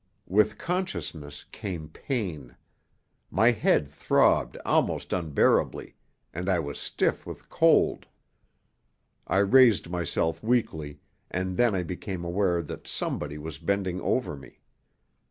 With consciousness came pain. My head throbbed almost unbearably, and I was stiff with cold. I raised myself weakly, and then I became aware that somebody was bending over me.